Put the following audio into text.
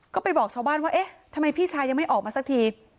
ก็ไปบอกชาวบ้านว่าเอ๊ะทำไมพี่ชายยังไม่ออกมาสักที